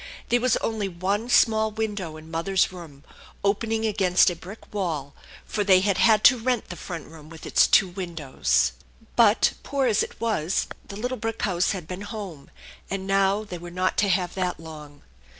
There was only one small window in mother's room, opening against a brick wall, for they had had to rent the front room with its two windows. 6 THE ENCHANTED BARN But, poor as it was, the little brick house had been home; and now they were not to have that long.